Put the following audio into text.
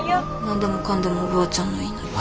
何でもかんでもおばあちゃんの言いなり。